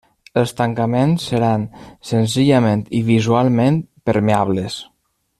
Els tancaments seran senzillament i visualment permeables.